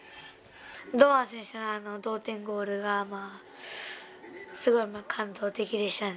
堂安選手の同点ゴールがすごい感動的でしたね。